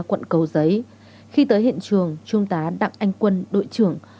quận cầu giấy khi tới hiện trường trung tá đặng anh quân đội trưởng